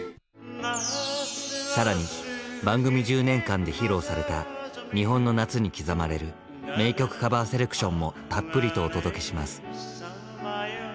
更に番組１０年間で披露された日本の夏に刻まれる名曲カバーセレクションもたっぷりとお届けします。